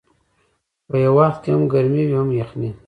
په یو وخت کې هم ګرمي وي هم یخني.